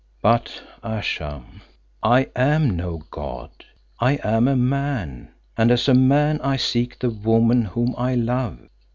"But Ayesha, I am no god; I am a man, and as a man I seek the woman whom I love.